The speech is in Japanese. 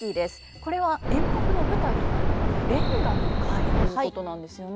これは演目の舞台となるのが連歌の会ということなんですよね。